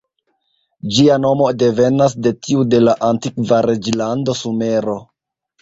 Ĝia nomo devenas de tiu de la antikva reĝlando Sumero.